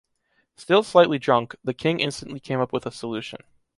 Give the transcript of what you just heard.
Still slightly drunk, the King instantly came up with a solution.